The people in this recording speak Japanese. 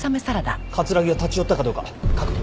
木が立ち寄ったかどうか確認。